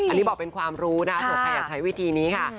อันนี้บอกเป็นความรู้นะคะส่วนใครอยากใช้วิธีนี้ค่ะ